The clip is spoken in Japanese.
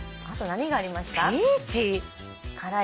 あと何がありますか？